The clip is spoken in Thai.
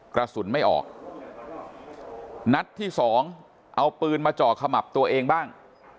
กระสุนไม่ออกนัดที่สองเอาปืนมาเจาะขมับตัวเองบ้าง